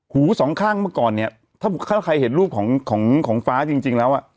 หูสองข้างเมื่อก่อนเนี่ยถ้าใครเห็นรูปของของฟ้าจริงแล้วอ่ะ